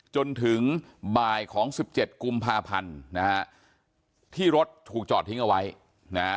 จนถึงบ่ายของสิบเจ็ดกุมภาพันธ์นะฮะที่รถถูกจอดทิ้งเอาไว้นะฮะ